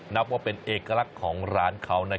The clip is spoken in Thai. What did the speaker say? นับว่าเป็นเอกลักษณ์ของร้านเขา